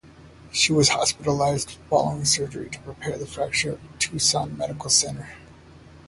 She was hospitalized following surgery to repair the fracture at Tucson Medical Center.